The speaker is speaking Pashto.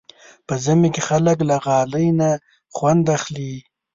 په ژمي کې خلک له غالۍ نه خوند اخلي.